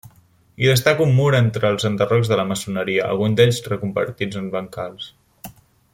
Hi destaca un mur entre els enderrocs de maçoneria, alguns d'ells reconvertits en bancals.